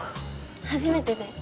初めてで。